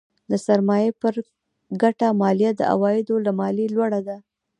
د سرمایې پر ګټه مالیه د عوایدو له مالیې لوړه ده.